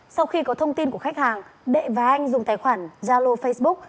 sau khi có thông tin của khách hàng đệ và anh dùng tài khoản zalo facebook